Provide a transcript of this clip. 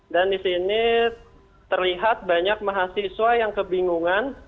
dan di sini terlihat banyak mahasiswa yang kebingungan